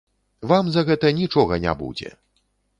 Вам за гэта нічога не будзе.